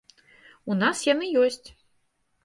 У нас яны ёсць.